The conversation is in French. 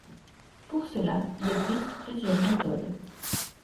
Pour cela, il existe plusieurs méthodes.